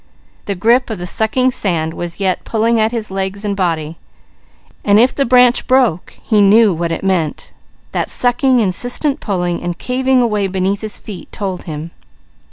The grip of the sucking sand was yet pulling at his legs and body; while if the branch broke he knew what it meant; that sucking, insistent pulling, and caving away beneath his feet told him.